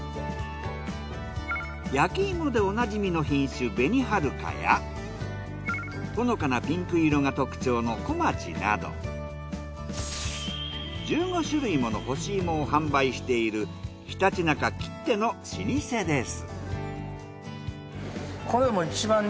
焼き芋でおなじみの品種紅はるかやほのかなピンク色が特徴の小町など１５種類もの干し芋を販売しているひたちなかきっての老舗です。